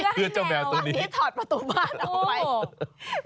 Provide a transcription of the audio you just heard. เพื่อเจ้าแมวตัวนี้ถอดประตูบ้านเอาไว้